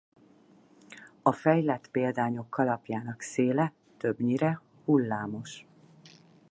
A fejlett példányok kalapjának széle többnyire hullámos.